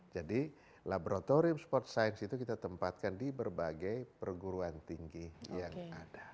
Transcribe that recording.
jadi laboratorium sport science itu kita tempatkan di berbagai perguruan tinggi yang ada